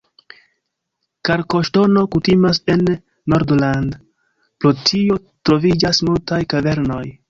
Kalkoŝtono kutimas en Nordland, pro tio troviĝas multaj kavernoj.